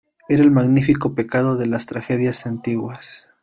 era el magnífico pecado de las tragedias antiguas.